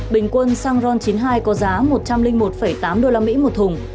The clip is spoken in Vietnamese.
bình quân xăng ron chín mươi hai có giá một trăm linh một tám usd một thùng